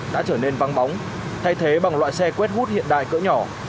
nên văng bóng thay thế bằng loại xe quét hút hiện đại cỡ nhỏ